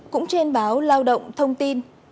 cũng trên báo lao động thông tin